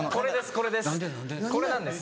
これです